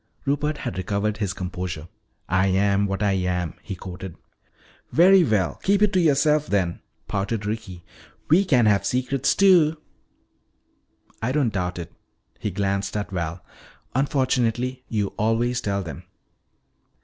Rupert had recovered his composure. "'I yam what I yam,'" he quoted. "Very well. Keep it to yourself then," pouted Ricky. "We can have secrets too." "I don't doubt it." He glanced at Val. "Unfortunately you always tell them.